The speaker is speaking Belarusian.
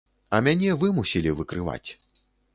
А мяне вымусілі выкрываць.